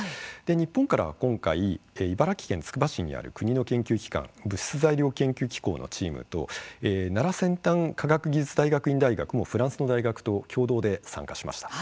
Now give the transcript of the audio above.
日本からは今回茨城県つくば市にある国の研究機関物質・材料研究機構のチームと奈良先端科学技術大学院大学もフランスの大学と共同で参加しました。